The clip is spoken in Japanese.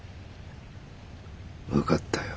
分かったよ。